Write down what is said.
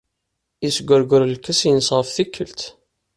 Yesgerger lkas-nnes ɣef tikkelt.